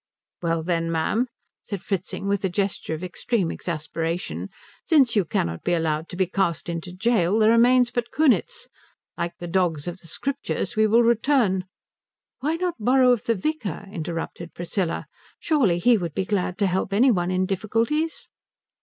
"Well then, ma'am," said Fritzing with a gesture of extreme exasperation, "since you cannot be allowed to be cast into gaol there remains but Kunitz. Like the dogs of the Scriptures we will return " "Why not borrow of the vicar?" interrupted Priscilla. "Surely he would be glad to help any one in difficulties?"